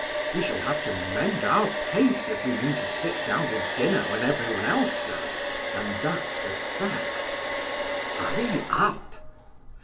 We shall have to mend our pace if we mean to sit down to dinner when every one else does, and that's a fact! Hurry up!